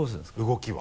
動きは？